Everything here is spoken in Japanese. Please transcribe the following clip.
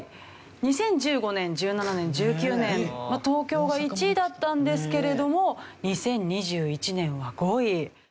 ２０１５年１７年１９年東京が１位だったんですけれども２０２１年は５位。